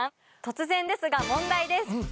突然ですが問題です。